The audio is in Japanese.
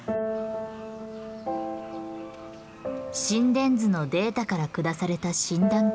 心電図のデータから下された診断